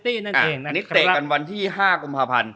นี้เตะกันวันที่๕งุมภาพันธ์